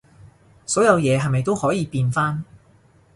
所有嘢係咪都可以變返